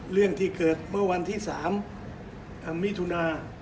เรื่องที่เกิดเมื่อวันที่๓มิถุนา